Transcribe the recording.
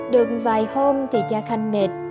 được vài hôm thì cha khanh mệt